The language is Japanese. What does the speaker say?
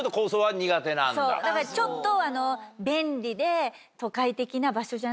そうだからちょっと。